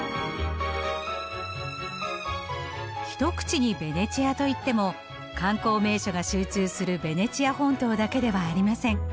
一口にベネチアと言っても観光名所が集中するベネチア本島だけではありません。